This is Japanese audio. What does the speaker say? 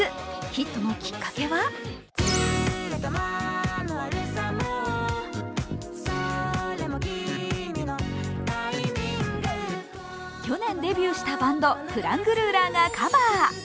ヒットのきっかけは去年デビューしたバンドクラングルーラーがカバー。